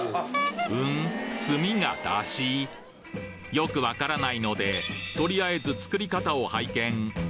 よくわからないのでとりあえず作り方を拝見